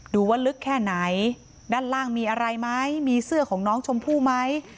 ดูว่าลึกแค่ไหนด้านล่างมีอะไรไหมมีเสื้อของน้องชมพู่ไหม